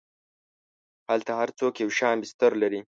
هلته هر څوک یو شان بستر لري.